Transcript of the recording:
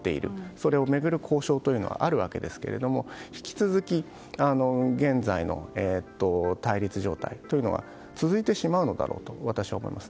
それを巡る交渉というのはあるわけですけれども引き続き現在の対立状態というのは続いてしまうだろうと私は思います。